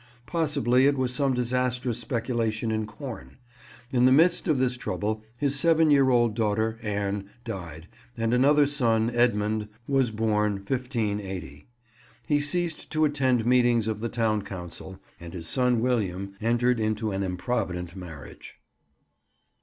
Possibly it was some disastrous speculation in corn. In the midst of this trouble, his seven year old daughter, Anne, died, and another son, Edmund, was horn, 1580. He ceased to attend meetings of the town council, and his son William entered into an improvident marriage.